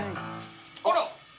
あら！